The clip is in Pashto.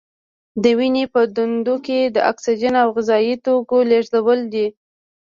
د وینې په دندو کې د اکسیجن او غذايي توکو لیږدول دي.